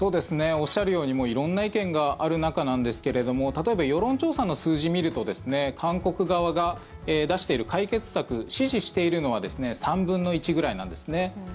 おっしゃるように色んな意見がある中なんですけど例えば世論調査の数字見ると韓国側が出している解決策支持しているのは３分の１ぐらいなんですね。